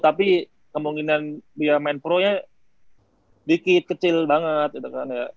tapi kemungkinan dia main pro nya dikit kecil banget gitu kan ya